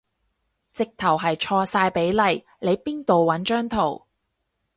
直頭係錯晒比例，你邊度搵張圖